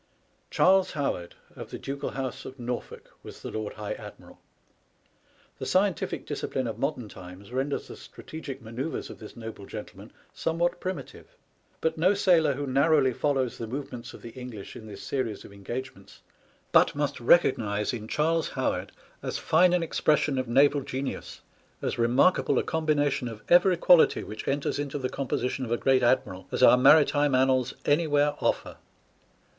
Charles Howard, of the ducal house of Norfolk, was the Lord High Admiral. The scientific dis cipline of modem times renders the strategic manoeuvres of this noble gentleman somewhat primitive, but no sailor who narrowly follows the movements of the English in this series of engagements but must recog nize in Charles Howard as fine an expression of naval genius, as remarkable a combination of every quality which enters into the composition of a great admiral as our maritime annals anywhere offer.